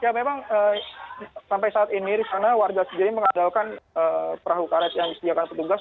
ya memang sampai saat ini rifana warga sendiri mengandalkan perahu karet yang disediakan petugas